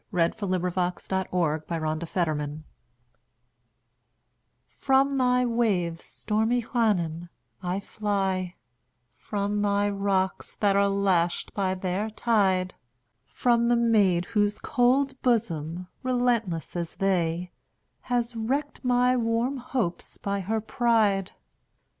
Wales: Llannon Song By Anna Seward (1747–1809) FROM thy waves, stormy Llannon, I fly; From thy rocks, that are lashed by their tide; From the maid whose cold bosom, relentless as they, Has wrecked my warm hopes by her pride!